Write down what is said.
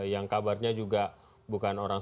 yang kabarnya juga bukan orang